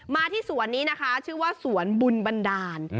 ที่สวนนี้นะคะชื่อว่าสวนบุญบันดาล